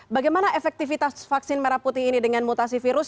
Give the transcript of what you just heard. bagaimana efektivitas vaksin merah putih ini dengan mutasi virus